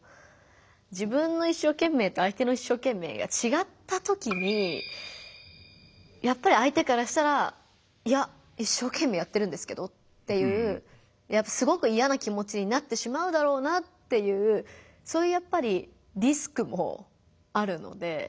自分の一生懸命と相手の一生懸命がちがったときにやっぱり相手からしたら「いや一生懸命やってるんですけど」っていうすごく嫌な気持ちになってしまうだろうなっていうそういうやっぱりリスクもあるので。